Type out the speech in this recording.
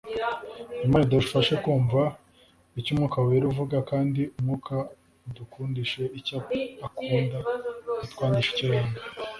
Imana idufashe kumva icyo Umwuka Wera avuga kandi Umwuka adukundishe icyo akunda atwangishe icyo yanga